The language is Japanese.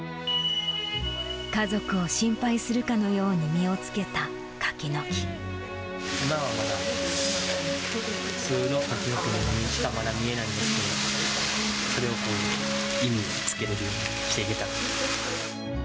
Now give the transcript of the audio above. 家族を心配するかのように実今はまだ、普通の柿の木にしか、まだ見えないんですけど、それをこう、意味をつけれるようにしていけたら。